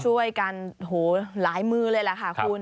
ช่วยกันหลายมือเลยล่ะค่ะคุณ